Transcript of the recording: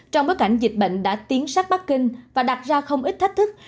trong bối cảnh dịch bệnh đã tiến sát bắc kinh và đặt ra không ít thách thức